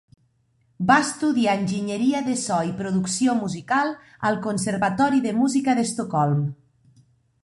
Va estudiar enginyeria de so i producció musical al conservatori de música d'Estocolm.